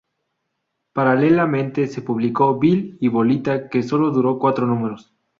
Paralelamente, se público "Bill y Bolita", que sólo duró cuatro números.